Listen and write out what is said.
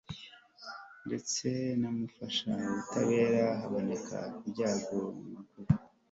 ndetse n'umufasha utabura kuboneka mu byago no mu makuba